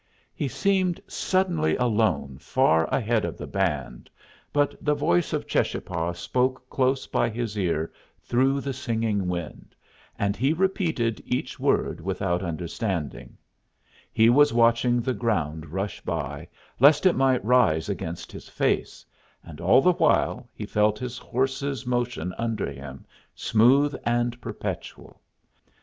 He seemed suddenly alone far ahead of the band, but the voice of Cheschapah spoke close by his ear through the singing wind, and he repeated each word without understanding; he was watching the ground rush by, lest it might rise against his face, and all the while he felt his horse's motion under him, smooth and perpetual.